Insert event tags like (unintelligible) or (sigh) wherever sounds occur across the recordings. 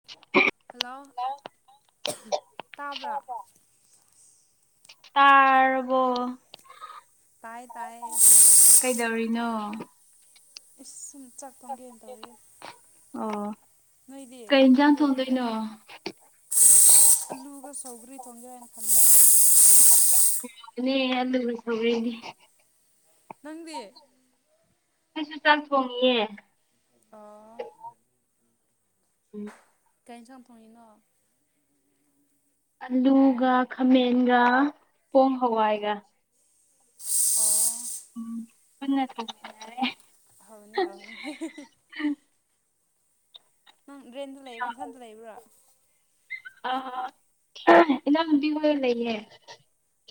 (unintelligible) Hello ꯇꯥꯕ꯭ꯔꯥ ꯇꯥꯔꯕꯣ ꯇꯥꯏ ꯇꯥꯏꯌꯦ ꯀꯩꯗꯧꯔꯤꯅꯣ ꯏꯁ ꯁꯨꯝ ꯆꯥꯛ ꯊꯣꯡꯒꯦꯅ ꯇꯧꯔꯤꯌꯦ ꯑꯣ ꯅꯣꯏꯗꯤ ꯀꯩ ꯏꯟꯁꯥꯡ ꯅꯪꯗꯤ ꯊꯣꯡꯗꯣꯏꯅꯣ (unintelligible) ꯑꯂꯨꯒ ꯁꯧꯒ꯭ꯔꯤ ꯊꯣꯡꯒꯦ ꯍꯥꯏꯅ ꯈꯟꯕ (unintelligible) (unintelligible) ꯅꯪꯗꯤ ꯑꯩꯁꯨ ꯆꯥꯛ ꯊꯣꯡꯉꯤꯌꯦ ꯑꯣ ꯎꯝ ꯀꯔꯤ ꯌꯦꯟꯁꯥꯡ ꯊꯣꯡꯉꯤꯅꯣ ꯑꯂꯨꯒ ꯈꯥꯃꯦꯟꯒ ꯄꯣꯡ ꯍꯋꯥꯏꯒ ꯑꯣ ꯎꯝ ꯄꯨꯟꯅ ꯊꯣꯡꯃꯤꯟꯅꯔꯦ ꯍꯥꯎꯅꯤ ꯍꯥꯎꯅꯤ (unintelligible) ꯅꯪ ꯔꯦꯟꯗ ꯂꯩꯕ꯭ꯔꯥ ꯅꯊꯟꯗ ꯂꯩꯕ꯭ꯔꯥ ꯑ ꯏꯅꯥꯝꯗꯤ ꯃꯣꯏꯒ ꯂꯩꯌꯦ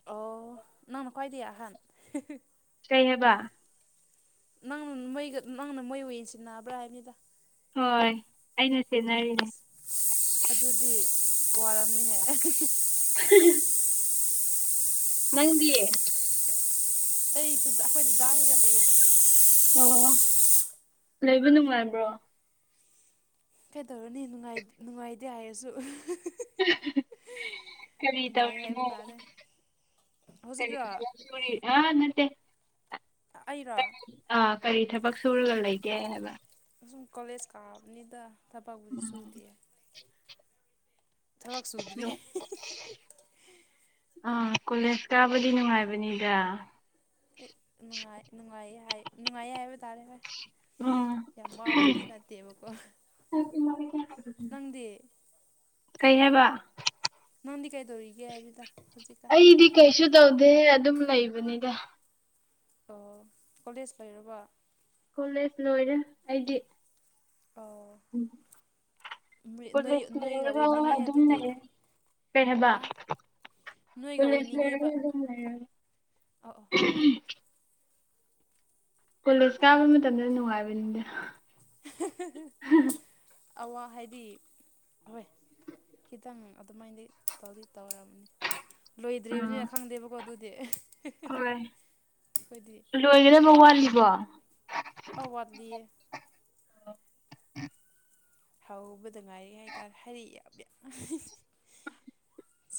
ꯑꯣ ꯅꯪꯅ ꯈ꯭ꯋꯥꯗꯒꯤ ꯑꯍꯟ ꯀꯩ ꯍꯥꯏꯕ ꯅꯪ ꯅꯣꯏꯒ ꯅꯪꯅ ꯃꯣꯏ ꯑꯣꯏ ꯁꯤꯅꯥꯕ꯭ꯔꯥ ꯍꯥꯏꯕꯅꯤꯗ ꯍꯣꯏ ꯑꯩꯅ ꯁꯦꯟꯅꯔꯤꯅꯦ ꯑꯁ ꯑꯗꯨꯗꯤ ꯋꯥꯔꯝꯅꯤꯅꯦ (unintelligible) (unintelligible) ꯅꯪꯗꯤ (unintelligible) (unintelligible) ꯑꯩ ꯑꯩꯈꯣꯏ ꯗꯥꯗꯥꯍꯣꯏꯒ ꯂꯩꯌꯦ (unintelligible) ꯑꯣ ꯂꯩꯕ ꯅꯨꯡꯉꯥꯏꯕ꯭ꯔꯣ ꯀꯩꯗꯧꯔꯅꯤ ꯅꯨꯡꯉꯥꯏꯇꯦ ꯍꯥꯏꯔꯁꯨ (unintelligible) ꯀꯔꯤ ꯅꯨꯡꯉꯥꯏ ꯍꯥꯏꯕ ꯇꯧꯔꯤꯅꯣ ꯇꯥꯔꯦ ꯀꯔꯤ ꯍꯧꯖꯤꯛꯔꯣ (unintelligible) ꯑ ꯅꯠꯇꯦ ꯑꯩꯔꯣ ꯑꯥ ꯀꯔꯤ ꯊꯕꯛ ꯁꯨꯔꯒ ꯂꯩꯒꯦ ꯍꯥꯏꯕ ꯑꯁꯨꯝ ꯀꯣꯂꯦꯖ ꯀꯥꯕꯅꯤꯗ ꯊꯕꯛꯕꯨꯨꯗꯤ ꯁꯨꯗꯦ ꯎꯝ ꯊꯕꯛ ꯁꯨꯗ꯭ꯔꯤ ꯑꯥ ꯀꯣꯂꯦꯖ ꯀꯥꯕꯗꯤ ꯅꯨꯡꯉꯥꯏꯕꯅꯤꯗ ꯅꯨꯡꯉꯥꯏ ꯅꯨꯡꯉꯥꯏꯌꯦ ꯍꯥꯏ ꯅꯨꯡꯉꯥꯏꯌꯦ ꯍꯥꯏꯕ ꯇꯥꯔꯦ ꯐꯣꯏ ꯎꯝ ꯌꯥꯝꯃꯕꯨꯗꯤ ꯅꯠꯇꯦꯕꯀꯣ ꯅꯪꯗꯤ ꯀꯩ ꯍꯥꯏꯕ ꯅꯪꯗꯤ ꯀꯩ ꯇꯧꯔꯤꯒꯦ꯫ ꯑꯩꯗꯤ ꯀꯩꯁꯨ ꯇꯧꯗꯦ ꯑꯗꯨꯝ ꯂꯩꯕꯅꯤꯗ ꯑꯣ ꯀꯣꯂꯦꯖ ꯂꯩꯔꯕ ꯀꯣꯂꯦꯖ ꯂꯣꯏꯔꯦ ꯑꯩꯗꯤ ꯑꯣ ꯎꯝ ꯅꯣꯏ ꯄꯨꯂꯤꯁ ꯅꯣꯏꯒ ꯂꯩꯔꯒ ꯑꯣꯏꯅꯤꯡꯉꯦꯍꯦ ꯑꯗꯨꯝ ꯑꯗꯨꯗꯤ ꯂꯩ ꯀꯩ ꯍꯥ ꯍꯥꯏꯕ ꯅꯣꯏꯒ ꯄꯨꯂꯤꯁ ꯑꯣꯏꯅꯤꯡꯉꯦꯕ ꯂꯩ ꯑꯣ ꯑꯣ ꯀꯣꯂꯦꯖ ꯀꯥꯕ ꯃꯇꯝꯗ ꯅꯨꯡꯉꯥꯏꯕꯅꯤꯗꯅ ꯑꯋꯥ ꯍꯥꯏꯗꯤ ꯍꯣꯏ ꯈꯤꯇꯪ ꯑꯗꯨꯃꯥꯏꯗꯤ ꯇꯧꯗꯤ ꯇꯧꯔꯔꯕꯅꯤ ꯎꯝ ꯂꯣꯏꯗ꯭ꯔꯔꯤꯕꯅꯤꯅ ꯈꯪꯗꯦꯕꯀꯣ ꯑꯗꯨꯗꯤ ꯍꯣꯏ ꯑꯩꯈꯣꯏꯗꯤ ꯂꯣꯏꯒꯗꯕ ꯋꯥꯠꯂꯤꯕꯣ ꯑꯋꯥꯠꯂꯤꯌꯦ ꯍꯧꯕꯗ ꯉꯥꯏꯔꯤ ꯍꯥꯏꯇꯥꯔꯦ ꯍꯩꯔꯤ ꯌꯥꯝ ꯌꯥꯝ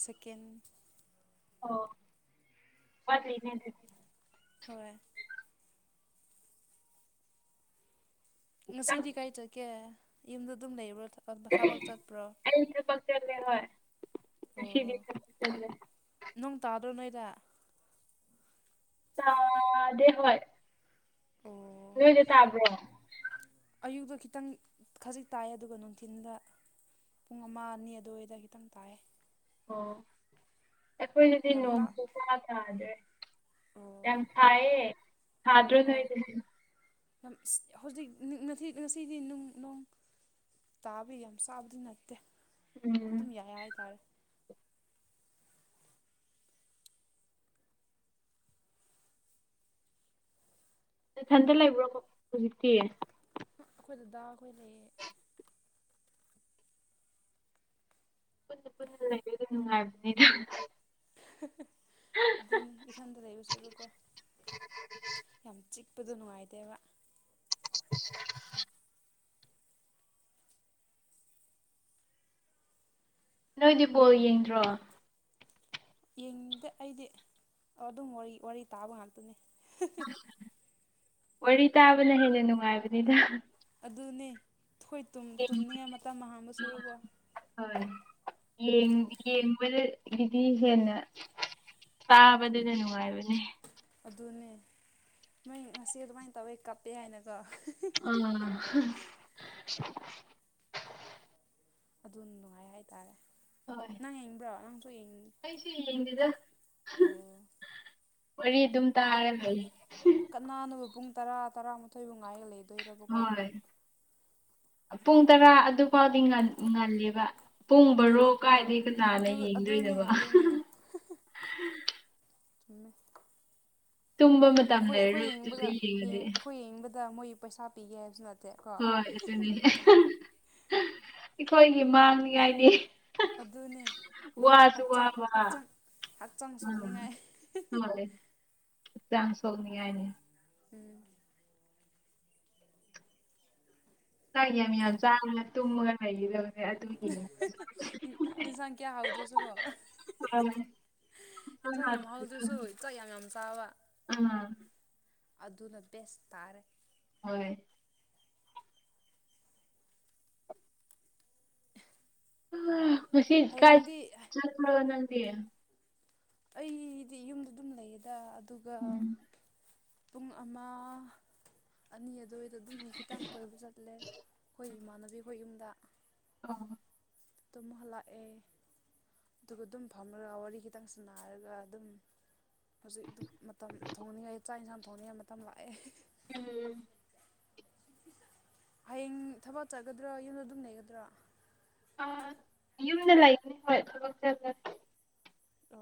ꯁꯦꯀꯦꯟ ꯑꯣ ꯃꯠꯂꯤꯅꯦꯗ ꯍꯣꯏ ꯉꯁꯤꯗꯤ ꯀꯥꯏ ꯆꯠꯀꯦ ꯌꯨꯝꯗ ꯑꯗꯨꯝ ꯂꯩꯕ꯭ꯔꯥ ꯑꯩ ꯈꯄ ꯆꯠꯂꯦ ꯍꯣꯏꯁꯤ ꯆꯠꯂꯦ ꯅꯅꯨꯡ ꯇꯥꯗ꯭ꯔꯣ ꯅꯣꯏꯗ ꯇꯥꯗꯦ ꯍꯣꯏ ꯑꯣ ꯂꯗꯤ ꯇꯥꯕ꯭ꯔ ꯑꯌꯨꯛꯇꯣ ꯈꯤꯇꯪ ꯈꯖꯤꯛ ꯇꯥꯏ ꯑꯗꯨꯒ ꯅꯨꯡꯊꯤꯤꯟꯗ ꯄꯨꯡ ꯑꯃ ꯑꯅꯤ ꯑꯗꯨꯋꯥꯏꯗ ꯈꯤꯇꯪ ꯇꯥꯏꯑꯦ ꯑꯣ ꯑꯩꯈꯣꯏꯅꯗꯤ ꯌꯥꯝ ꯇꯥ ꯅꯣꯡꯁꯨ ꯀꯌꯥ ꯇꯥꯗ꯭ꯔꯦ ꯑꯣ ꯌꯥꯝ ꯊꯑ ꯊꯥꯗꯔ ꯑꯣ ꯍꯧꯖꯤꯛ ꯉꯁꯤꯗꯤ ꯅꯨꯡꯅꯨꯡ ꯇꯥꯕ ꯌꯥꯝ ꯆꯥꯕꯗꯤ ꯅꯠꯇꯦ ꯎꯝ ꯑꯗꯨꯝ ꯌꯥꯏ ꯍꯥꯏꯇꯥꯔꯦ ꯏꯊꯟꯇ ꯂꯩꯕ꯭ꯔꯣꯀꯣ ꯍꯧꯖꯤꯛꯇꯤ ꯑꯩꯈꯣꯏꯗꯨꯗ ꯑꯩꯈꯣꯏꯅ ꯄꯨꯟꯅꯥ ꯂꯩꯕꯁꯨ ꯅꯨꯡꯉꯥꯏꯕꯅꯤꯗ ꯑꯗꯨꯅꯤ ꯏꯊꯟꯇ ꯂꯩꯕ ꯁꯨꯔꯨꯀꯣ ꯌꯥꯝ ꯆꯤꯛꯄꯗ ꯅꯨꯡꯉꯥꯏꯇꯦꯕ (unintelligible) ꯅꯣꯏꯗꯤ ꯕꯣꯜ ꯌꯦꯡꯗ꯭ꯔꯣ ꯌꯦꯡꯅꯤꯡꯗ ꯑꯩꯗꯤ ꯑꯗꯨꯝ ꯋꯥꯔꯤ ꯇꯥꯕ ꯉꯥꯛꯇꯅꯦ ꯋꯥꯔꯤ ꯇꯥꯕꯅ ꯍꯦꯟꯅ ꯅꯨꯡꯉꯥꯏꯕꯅꯤꯗ ꯑꯗꯨꯅꯤ ꯊꯣꯏ ꯌꯦꯡꯕ ꯇꯨꯝꯅꯤꯡꯉꯦ ꯃꯇꯝ ꯑꯍꯥꯡꯕ ꯁꯨꯔꯨꯕꯣ ꯍꯣꯏ ꯌꯦꯡꯕꯗꯒꯤꯗꯤ ꯍꯦꯟꯅ ꯇꯥꯕꯅꯤꯅꯥ ꯅꯨꯡꯉꯥꯏꯕꯅꯦ ꯑꯗꯨꯅꯦ ꯅꯣꯏ ꯉꯁꯤ ꯑꯗꯨꯃꯥꯏꯅ ꯇꯧꯋꯦ ꯀꯞꯄꯦ ꯍꯥꯏꯅꯀꯣ ꯑꯥ ꯑꯗꯨ ꯅꯨꯡꯉꯥꯏ ꯍꯥꯏꯇꯥꯔꯦ ꯍꯣꯏ ꯅꯪ ꯌꯦꯡꯅꯤꯡꯕ꯭ꯔꯣ ꯅꯪꯁꯨ ꯌꯦꯡꯉ ꯑꯩꯁꯨ ꯌꯦꯡꯗꯦꯗ ꯑꯣ ꯋꯥꯔꯤ ꯑꯗꯨꯝ ꯇꯥꯔ ꯂꯩ ꯅꯥꯟꯅꯕ ꯄꯨꯡ ꯇꯔꯥ ꯇꯔꯥꯃꯥꯊꯣꯏꯕꯨ ꯉꯥꯏꯒ ꯂꯩꯦ ꯍꯣꯏ ꯄꯨꯡ ꯇꯔꯥ ꯑꯗꯨꯐꯥꯎꯗꯤ ꯉꯜꯂꯦꯕ ꯄꯨꯡꯕꯔꯣ ꯑꯗꯨꯅꯤ ꯕꯥꯔꯣ ꯀꯥꯏꯗꯩ ꯀꯅꯥꯅ ꯑꯗꯨ ꯌꯦꯡꯗꯣꯏꯕ ꯎ ꯇꯨꯝꯕ ꯃꯇꯝ ꯑꯩꯈꯣꯏ ꯑꯩꯈꯣꯏ ꯂꯩꯔꯔꯣꯏ ꯑꯗꯨꯗ ꯌꯦꯡꯅꯤꯡꯕꯒ ꯌꯦꯡꯉꯗꯤ ꯑꯩꯈꯣꯏ ꯌꯦꯡꯅꯤꯡꯕꯗ ꯃꯣꯏ ꯄꯩꯁꯥ ꯄꯤꯒꯦ ꯍꯥꯏꯕꯁꯨ ꯅꯠꯇꯦ ꯀꯣ ꯍꯣꯏ ꯑꯗꯨꯅꯤꯅꯦ ꯑꯩꯈꯣꯏꯒꯤ ꯃꯥꯡꯅꯤꯉꯥꯏꯅꯤ ꯑꯗꯨꯅꯤ ꯋꯥꯁꯨ ꯍꯛꯆꯥꯡ ꯋꯥꯕ ꯍꯛꯆꯥꯡ ꯍꯛꯆꯥꯡ ꯁꯣꯛꯅꯤꯡꯉꯥꯏ ꯆꯥꯡ ꯁꯣꯛꯅꯤꯡꯉꯥꯏꯅꯦ ꯎꯝ ꯆꯪꯦꯃꯤ ꯆ ꯇꯨꯒ ꯂꯩ ꯏꯟꯁꯥꯡ ꯀꯌꯥ ꯍꯥꯎꯗ꯭ꯔꯁꯨꯀꯣ ꯏꯟꯁꯥꯡ ꯌꯥꯝ ꯍꯧꯗ꯭ꯔꯁꯨ ꯆꯥꯛ ꯌꯥꯝ ꯌꯥꯝ ꯆꯥꯕ ꯑꯥ ꯑꯗꯨꯅ ꯕꯦꯁ ꯇꯥꯔꯦ ꯍꯣꯏ ꯉꯁꯤ ꯀꯥꯏ ꯍꯌꯦꯡꯗꯤ ꯆ ꯐ ꯅꯗꯤ ꯑꯩꯗꯤ ꯌꯨꯝꯗ ꯑꯗꯨꯝ ꯂꯩꯌꯦꯗ ꯑꯗꯨꯒ ꯎꯝ ꯄꯨꯡ ꯑꯃ ꯑꯅꯤ ꯑꯗꯨꯋꯥꯏꯗ ꯑꯗꯨꯝ ꯈꯤꯇꯪ ꯀꯣꯏꯕ ꯆꯠꯂꯦ ꯑꯩꯈꯣꯏ ꯏꯃꯥꯟꯅꯕꯤꯈꯣꯏ ꯌꯨꯝꯗ ꯑ ꯇꯣ ꯃꯍꯜꯂꯥꯛ ꯑꯦ ꯑꯗꯨꯒ ꯑꯗꯨꯝ ꯐꯝꯔꯒ ꯋꯥꯔꯤ ꯈꯤꯇꯪ ꯁꯥꯟꯅꯔꯒ ꯑꯗꯨꯝ ꯍꯧꯖꯤꯛ ꯑꯗꯨꯝ ꯃꯇꯝ ꯊꯣꯡꯅꯤꯡꯉꯥꯏ ꯆꯥꯛ ꯌꯦꯟꯁꯥꯡ ꯊꯣꯡꯅꯤꯡꯉꯥꯏ ꯃꯇꯝ ꯂꯥꯛꯑꯦ ꯎꯝ ꯍꯌꯦꯡ ꯊꯕꯛ ꯆꯠꯒꯗ꯭ꯔꯥ ꯌꯨꯝꯗ ꯑꯗꯨꯝ ꯂꯩꯒꯗ꯭ꯔꯥ ꯑ ꯌꯨꯝꯗ ꯂꯩꯒꯅꯤ ꯍꯣꯏ ꯊꯕꯛ ꯆꯦ ꯑ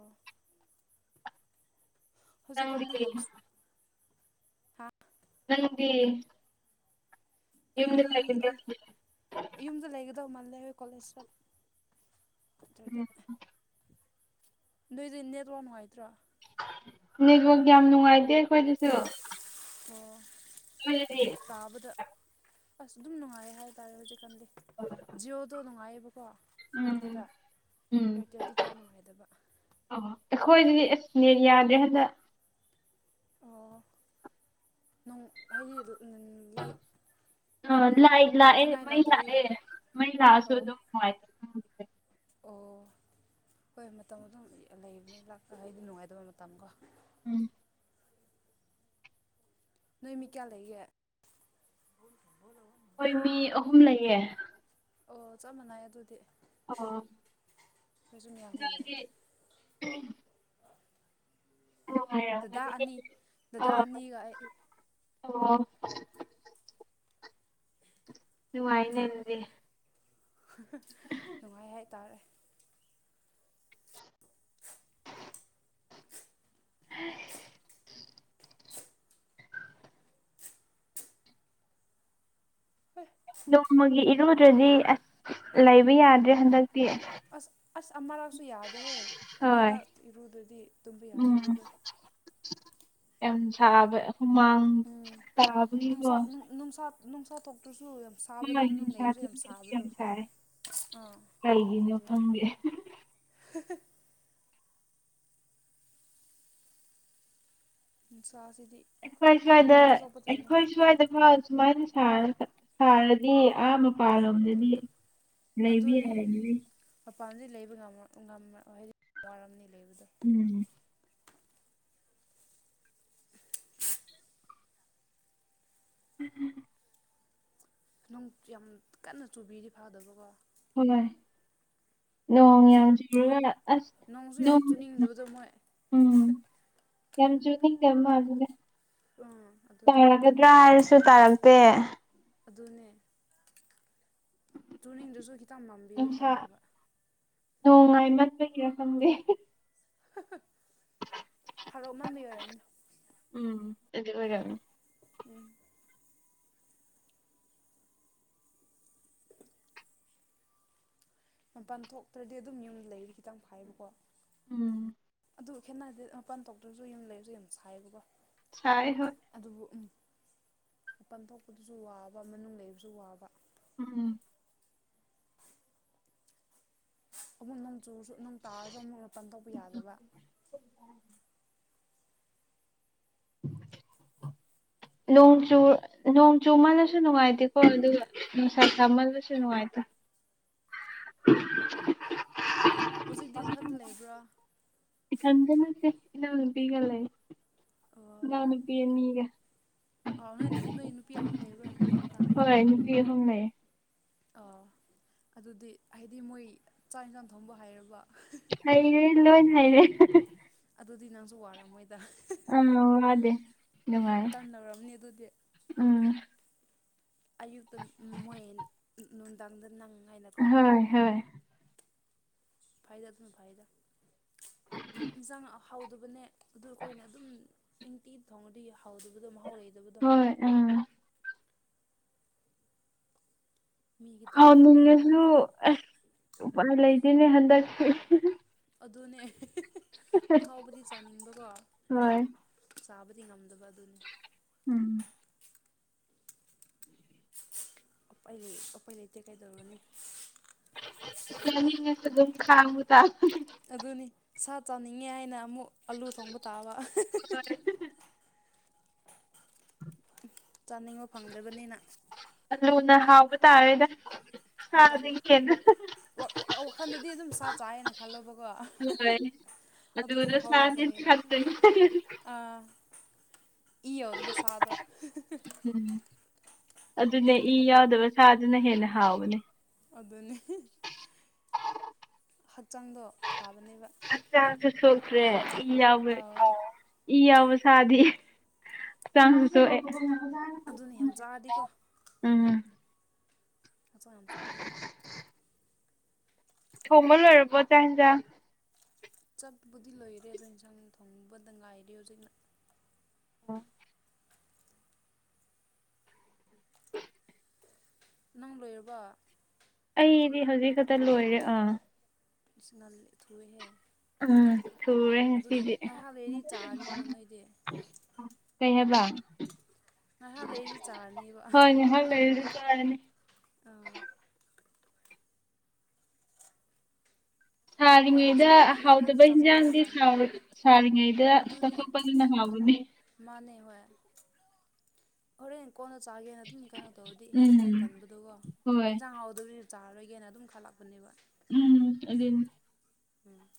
ꯍꯧꯖꯤꯛꯀꯥꯟꯗꯤ ꯅꯪꯗꯤ ꯌꯥꯝ ꯍꯥ ꯅꯪꯗꯤ ꯑꯩ ꯌꯨꯝꯗ ꯂꯩꯒꯗ꯭ꯔ ꯑꯩ ꯌꯨꯝꯗ ꯂꯩꯒꯗꯕ ꯃꯥꯜꯂꯦ ꯍꯣꯏ ꯀꯣꯂꯦꯖꯇ ꯠꯇꯗꯤ ꯎꯝ ꯅꯏꯗꯤ ꯅꯦꯠ ꯋꯥ ꯅꯨꯡꯉꯥꯏꯇ꯭ꯔꯣ ꯅꯕ ꯌꯥꯝ ꯅꯨꯡꯉꯥꯏꯇꯦ ꯑꯩꯈꯣꯏꯗꯁꯨ ꯑꯣ ꯎꯗꯤ ꯇꯥꯕꯗ ꯑꯁ ꯑꯗꯨꯝ ꯅꯨꯡꯉꯥꯏ ꯍꯥꯏꯇꯥꯔꯦ ꯍꯧꯖꯤꯛꯀꯥꯟꯗꯤ ꯖꯤꯑꯣꯗꯣ ꯅꯨꯡꯉꯥꯏꯌꯦꯕꯀꯣ ꯎꯝ ꯑꯩꯈꯣꯏꯗ ꯎꯝ ꯑꯦꯌꯥꯔꯇꯦꯜꯗꯤ ꯀꯌꯥ ꯅꯨꯡꯉꯥꯏꯗꯕ ꯑꯣ ꯑꯩꯈꯣꯏꯗꯗꯤ ꯑꯁꯅꯦ ꯌꯥꯗ꯭ꯔꯦ ꯍꯟꯗ ꯑꯣ ꯅ ꯍꯥꯏꯗꯤ ꯂꯥꯏ ꯑ ꯂꯥꯛ ꯂꯥꯛ ꯃ ꯂ ꯂꯥꯛꯇꯕꯒꯤꯔꯣ ꯑꯦ ꯃꯩꯂꯁꯨꯣ ꯑꯣ ꯑꯗꯨ ꯑꯣ ꯍꯣꯏ ꯃꯇꯝ ꯑꯗꯨꯝ ꯂꯩꯕꯅꯦ ꯂꯥꯛꯄ ꯍꯥꯏꯗꯤ ꯅꯨꯡꯉꯥꯏꯇꯕ ꯃꯇꯝꯀꯣ ꯎꯝ ꯅꯣꯏ ꯃꯤꯠ ꯀꯌꯥ ꯂꯩꯒꯦ ꯍꯣꯏ ꯃꯤ ꯑꯍꯨꯝ ꯂꯩꯌꯦ ꯑꯣ ꯆꯞ ꯃꯥꯟꯅꯩ ꯑꯗꯨꯗꯤ ꯑꯣ ꯌꯖꯌꯥ ꯍ ꯂꯩꯦ ꯅꯣꯏꯗꯤ ꯗꯗꯥ ꯅꯨꯡꯉꯥꯏꯔꯝꯒꯅꯤ ꯑꯅꯤ ꯗꯗꯥ ꯑꯣ ꯑꯅꯤꯒ ꯑꯩ ꯑꯣ ꯅꯨꯡꯉꯥꯏꯅꯦ ꯑꯗꯨꯗꯤ ꯅꯨꯡꯉꯥꯏ ꯍꯥꯏꯇꯥꯔꯦ ꯍ ꯍ ꯅꯣꯡꯃꯒꯤ ꯏꯔꯨꯗ꯭ꯔꯗꯤ ꯑꯁ ꯂꯩꯕ ꯌꯥꯗ꯭ꯔꯦ ꯍꯟꯗꯛ ꯑꯁ ꯑꯁ ꯑꯃꯔꯥꯁꯨ ꯌꯥꯗꯦꯍꯦ ꯍꯣꯏ ꯑꯅꯤꯔꯛ ꯏꯔꯨꯗꯗꯤ ꯑꯗꯨꯝꯕ ꯎꯝ ꯌꯥꯗꯕꯗꯣ ꯌꯥꯝ ꯁꯥꯕ ꯍꯨꯃꯥꯡ ꯎꯝ ꯇꯕꯒꯤꯀꯣ ꯅꯨꯡꯁꯥ ꯅꯨꯡꯁꯥ ꯅꯨꯡꯁꯥ ꯊꯣꯛꯇ꯭ꯔꯁꯨ ꯌꯝ (unintelligible) ꯁꯥꯏ ꯑꯥ ꯀꯩꯒꯤꯅꯣ ꯑꯗꯨꯅꯦ ꯈꯪꯗꯦ (inaudible) ꯎꯟꯁꯥꯁꯤꯗꯤ ꯑꯩꯈꯣꯏ ꯁ꯭ꯋꯥꯏꯗ ꯑꯩꯈꯣꯏ ꯁ꯭ꯋꯥꯏꯗꯐꯥꯎ ꯁꯨꯃꯥꯏꯅ ꯁꯥꯔ ꯁꯥꯔꯗꯤ ꯑꯥ ꯃꯄꯥꯟꯂꯣꯝꯗꯗꯤ ꯂꯩꯕ ꯑꯗꯨꯅꯦ ꯌꯥꯔꯅꯤ ꯃꯄꯥꯟꯗꯤ ꯂꯩꯕ ꯉꯝꯃꯛ ꯉꯝꯃꯛꯑꯣꯢ ꯍꯥꯏꯗꯤ ꯋꯥꯔꯝꯅꯤ ꯂꯩꯕꯗꯣ ꯎꯝ ꯎꯝ ꯎꯝ ꯅꯨꯡ ꯌꯥꯝ ꯀꯟꯅ ꯆꯨꯕꯤꯔꯤ ꯐꯥꯗꯕꯀꯣ ꯍꯣꯏ ꯅꯣꯡ ꯌꯥꯝꯁꯤꯨꯔꯒ ꯅꯣꯡꯁꯨ ꯌꯥꯝ ꯆꯨꯅꯤꯡꯗꯕꯗꯣ ꯃꯣꯏ ꯎꯝ ꯌꯥꯝ ꯆꯨꯅꯤꯡꯗꯕ ꯃꯥꯜꯂꯤꯗ ꯑꯥ ꯑꯗꯨꯅꯦ ꯇꯥꯔꯒꯗ꯭ꯔꯥ ꯍꯥꯏꯔꯁꯨ ꯇꯥꯔꯛꯇꯦ ꯑꯗꯨꯅꯦ ꯇꯨꯅꯤꯡꯗꯁꯨ ꯅꯨꯡꯁꯥ ꯅꯣꯡꯉꯥꯏꯃꯟꯄꯒꯤꯔ ꯈꯪꯗꯦ ꯍꯧꯔꯥꯎꯃꯟꯕꯤ ꯑꯣꯏꯔꯕꯝ ꯎꯝ ꯑꯗꯨ ꯑꯣꯏꯔꯝꯅꯤ ꯎꯝ (unintelligible) ꯃꯄꯥꯟ ꯊꯣꯛꯇ꯭ꯔꯗꯤ ꯑꯗꯨꯝ ꯌꯨꯝꯗ ꯂꯩꯔꯤ ꯈꯤꯇꯪ ꯐꯥꯏꯕꯀꯣ ꯎꯝ ꯑꯗꯨ ꯈꯦꯠꯅꯗꯦ ꯃꯄꯥꯟ ꯊꯣꯛꯣꯛꯇ꯭ꯔꯁꯨ ꯌꯨꯝ ꯂꯩꯔꯁꯨ ꯌꯥꯝ ꯁꯥꯏꯌꯦꯕꯀꯣ ꯁꯥꯏ ꯍꯣꯏ ꯑꯗꯨꯕꯨ ꯎꯝ ꯃꯄꯟ ꯊꯣꯛꯄꯗꯨꯁꯨ ꯋꯥꯕ ꯃꯅꯨꯡ ꯂꯩꯕꯁꯨ ꯋꯥꯕ ꯎꯝ ꯑꯃꯨꯛ ꯅꯣꯡ ꯆꯨꯔꯁꯨ ꯅꯣꯡ ꯇꯥꯔꯁꯨ ꯑꯃꯨꯛ ꯃꯄꯟ ꯇꯧꯕ ꯌꯥꯗꯕ (unintelligible) ꯅꯣꯡ ꯆꯨ ꯅꯣꯡ ꯆꯨꯃꯜꯂꯁꯨ ꯅꯨꯡꯉꯥꯏꯇꯦꯀꯣ ꯑꯗꯨꯒ ꯅꯨꯡꯁꯥ ꯁꯥꯥꯃꯜꯂꯁꯨ ꯅꯨꯡꯉꯥꯏꯇꯦ (inaudible) ꯍꯧꯖꯤꯛꯇꯤ ꯏꯟꯊꯟꯇ ꯂꯩꯕ꯭ꯔꯥ ꯢꯊꯟꯗꯅꯠꯇꯦ ꯏꯅꯥꯎꯅꯨꯄꯤꯒ ꯂꯩ ꯏꯅꯥꯎꯅꯨꯄꯤ ꯑꯅꯤꯒ ꯑꯥꯎ ꯅꯣꯏ ꯅꯣꯏ ꯅꯨꯄꯤ ꯑꯍꯨꯝ ꯂꯩꯕ꯭ꯔꯥ ꯅꯨꯄꯤ ꯉꯥꯛꯇ ꯍꯣꯏ ꯅꯨꯄꯤ ꯑꯍꯨꯝ ꯅꯥꯏ ꯑ ꯑꯗꯨꯗꯤ ꯍꯥꯏꯗꯤ ꯃꯣꯏ ꯆꯥꯛ ꯏꯟꯁꯥꯡ ꯊꯣꯡꯕ ꯍꯥꯏꯔꯕ ꯍꯩꯔꯦ ꯂꯣꯏ ꯍꯩꯔꯦ ꯑꯗꯨꯗꯤ ꯅꯪꯁꯨ ꯋꯥꯔꯝꯃꯣꯏꯗ ꯑꯝ ꯑꯗꯦ ꯎꯝ ꯅꯨꯡꯉꯥꯏ ꯇꯟ ꯂꯧꯔꯝꯅꯤ ꯑꯗꯨꯗꯤ ꯎꯝ ꯑꯌꯨꯛꯇ ꯃꯣꯏ ꯅꯨꯡꯗꯥꯡꯗ ꯅꯪꯉꯥꯏꯅꯀꯣ ꯍꯣꯏ ꯍꯣꯏ ꯐꯥꯏꯗ ꯑꯗꯨ ꯐꯏꯗ ꯏꯟꯁꯥꯡ ꯍꯥꯎꯗꯕꯅꯦ ꯑꯗꯨ ꯑꯩꯈꯣꯏꯅ ꯑꯗꯨꯝ ꯇꯤ ꯊꯣꯡꯉꯗꯤ ꯍꯥꯎꯗꯕꯗꯣ ꯃꯍꯥꯎ ꯂꯩꯗꯕꯗꯣ ꯍꯣꯏ ꯎꯝ ꯃꯤ ꯈꯤꯇꯪ ꯇꯣꯡꯉꯥꯟ ꯑꯦ ꯎꯄꯟ ꯂꯩꯇꯦꯅꯦ ꯍꯟꯗꯛꯇꯤ ꯑꯗꯨꯅꯦ (unintelligible) (unintelligible) ꯍꯣꯏ ꯆꯥꯕꯗꯤꯉꯝꯗꯕ ꯑꯗꯨꯅꯤ ꯎꯝ ꯑꯄꯩ ꯂꯩꯇꯦ ꯀꯩꯗꯧꯔꯅꯤ ꯄꯅꯤꯗꯝ ꯈꯥꯡꯃ ꯇ ꯑꯗꯨꯅꯤ ꯁꯥ ꯆꯥꯅꯤꯡꯉꯦ ꯍꯥꯏꯅ ꯑꯃꯨꯛ ꯑꯂꯨ ꯊꯣꯡꯕ ꯇꯥꯕ ꯆꯥꯅꯤꯡꯕ ꯐꯪꯗꯕꯅꯤꯅ ꯂꯨꯅ ꯍꯥꯎꯕ ꯇꯥꯔꯦꯗ ꯍꯣꯏꯗ ꯁꯥꯗꯤ ꯈꯦꯅ ꯋꯥꯈꯜꯗꯗꯤ ꯑꯗꯨꯝ ꯁꯥ ꯆꯥꯏꯅ ꯈꯜꯂꯣꯕꯀꯣ ꯑꯗꯨ ꯑꯗꯨꯗꯤ ꯑꯗꯨꯗ ꯃꯍꯥꯎ ꯂꯥꯛꯀꯅꯦꯕ ꯑꯥ ꯏ ꯑꯣꯗꯨ ꯁꯥꯗ ꯎꯝ ꯑꯗꯨꯅꯦ ꯏ ꯌꯥꯎꯗꯕ ꯁꯥꯗꯨꯅ ꯍꯦꯟꯅ ꯍꯥꯎꯕꯅꯦ ꯑꯗꯨꯅꯤ ꯍꯛꯆꯥꯡꯗꯣ ꯐꯕꯅꯦꯕ ꯑꯥ (inaudible) ꯏ ꯌꯥꯎꯕ ꯁꯥꯗꯤꯛ ꯆꯥꯡ ꯇꯣꯛ ꯏ ꯑꯗꯨꯅ ꯌꯥꯝ ꯆꯥꯔꯗꯤꯀꯣ ꯎꯝ ꯃꯆ ꯌꯥꯝ ꯁꯣꯛꯄꯅꯤ ꯊꯣꯡꯕ ꯂꯣꯏꯔꯕꯣꯖꯥ ꯌꯦꯟꯖꯥꯡ ꯆꯥꯛꯕꯨꯗꯤ ꯂꯣꯏꯔꯦ ꯑꯗꯣ ꯏꯟꯁꯥꯡ ꯊꯣꯡꯕꯗ ꯉꯥꯏꯔꯦ ꯍꯧꯖꯤꯛꯅ ꯑꯣ ꯅꯪ ꯂꯣꯏꯔꯕ ꯑꯩꯗꯤ ꯍꯧꯖꯤꯛ ꯈꯛꯇ ꯂꯣꯏꯔꯦ ꯑꯥ (inaudible) ꯎꯝ ꯊꯨꯔꯦ ꯑꯗꯨꯗꯤ ꯉꯁꯤꯗꯤ ꯉꯥꯏꯍꯥꯛ ꯂꯩꯔꯗꯤ ꯆꯥꯔꯅꯤꯅ ꯅꯣꯏꯗꯤ ꯀꯩ ꯍꯥꯏꯕ ꯉꯥꯏꯍꯥꯛ ꯂꯩꯔꯗꯤ ꯆꯥꯔꯅꯤꯕ ꯍꯣꯏ ꯉꯥꯏꯍꯥꯛ ꯂꯩꯔꯁꯨ ꯆꯥꯔꯅꯤ ꯑꯥ ꯍꯣꯏ ꯉꯟꯅ ꯆꯥ ꯊꯔꯤꯉꯩꯗ ꯉꯟꯅ ꯉꯟꯅ ꯍꯥꯎꯗꯕ ꯆꯥꯊꯣꯛꯄꯅ ꯍꯟꯖꯥꯡꯗꯤ ꯐꯕꯅꯤ ꯍꯥꯎꯔꯗ ꯁꯥꯔꯤꯉꯩꯗ ꯑꯗꯨꯅꯦ ꯆꯠꯊꯣꯛꯄꯗꯨꯅ ꯍꯥꯎꯕꯅꯦ ꯃꯥꯅꯦ ꯍꯔꯦꯟ ꯀꯣꯟꯅ ꯆꯥꯒꯦꯅ ꯑꯗꯨꯝ ꯀꯩꯅꯣ ꯇꯧꯔꯗꯤ ꯍꯦꯟꯅ ꯍꯦꯟꯅ ꯎꯝ ꯇꯟꯕꯗꯨꯀꯣ ꯍꯣꯏ ꯌꯦꯟꯖꯥꯡ ꯍꯥꯎꯗꯕꯤ ꯆꯥꯔꯣꯏꯒꯦꯅ ꯑꯗꯨꯝ ꯈꯜꯂꯛꯄꯅꯦꯕ ꯎꯝ ꯑꯗꯨ ꯎꯝ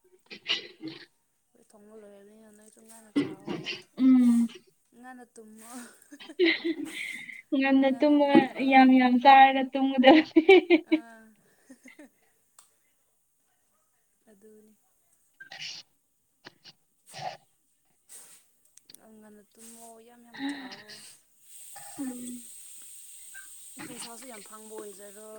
(inaudible) ꯑꯩ ꯊꯣꯡꯉ ꯂꯣꯏꯔꯕꯅꯤꯅ ꯅꯪꯁꯨ ꯉꯥꯟꯅ ꯆꯥꯛꯑꯣꯣ ꯎꯝ ꯉꯥꯟꯅ ꯇꯨꯝꯃꯣ ꯉꯅ ꯉꯟꯅ ꯇꯨꯝꯃꯒ ꯍꯧꯒꯠꯂꯣ ꯌꯥꯝ ꯌꯥꯝ ꯆꯥꯔꯒ ꯇꯨꯝꯕꯨꯗ ꯑꯥ ꯑꯗꯨꯅꯤ (unintelligible) ꯑ ꯉꯅ ꯇ ꯃꯣ ꯌꯥ ꯎꯝ ꯎꯝ ꯄꯩꯁꯥꯁꯨ ꯌꯥꯝ ꯐꯥꯡꯕ ꯑꯣꯏꯖꯔꯣ